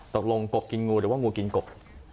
ตกลงกบกินงูหรือว่างูกินกบ